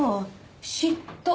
嫉妬！